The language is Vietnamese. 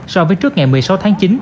so với trước ngày một mươi sáu tháng chín